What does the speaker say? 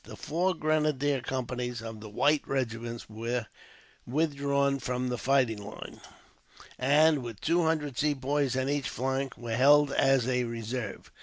The four grenadier companies of the white regiments were withdrawn from the fighting line; and, with two hundred Sepoys on each flank, were held as a reserve.